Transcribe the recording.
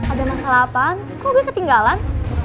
ada masalah apaan kok gue ketinggalan